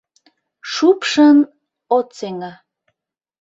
Шупшын от сеҥе.